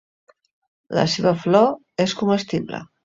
La seva flor és comestible.